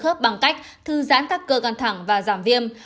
muối tắm có thể giúp giảm khớp bằng cách thư giãn các cơ căng thẳng và giảm viêm